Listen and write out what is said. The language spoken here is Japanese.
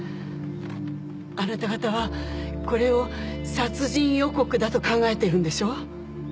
あなた方はこれを殺人予告だと考えてるんでしょ？